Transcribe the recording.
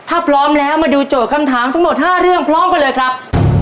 ถ้าพร้อมแล้วมาดูโจทย์คำถามทั้งหมด๕เรื่องพร้อมกันเลยครับ